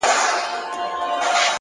هوښیاري د لومړیتوبونو پېژندل دي.